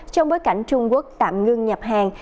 trong bối cảnh trung quốc tạm ngưng nhập hàng